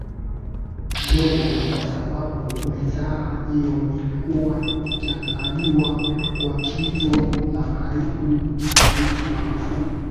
dogo kwa sababu wizara hiyo ilikuwa ikiangaliwa kwa jicho la karibu na Rais Magufuli